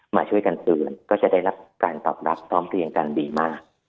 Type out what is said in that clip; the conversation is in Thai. มาช่วยกันเตือนก็จะได้รับการตอบรับพร้อมเรียงกันดีมาก